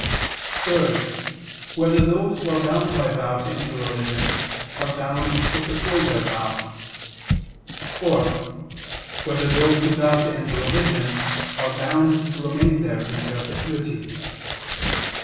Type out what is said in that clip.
(3) Whether those who are bound by vow to enter religion are bound to fulfil their vow? (4) Whether those who vow to enter religion are bound to remain there in perpetuity?